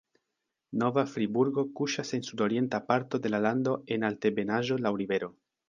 Nova Friburgo kuŝas en sudorienta parto de la lando en altebenaĵo laŭ rivero.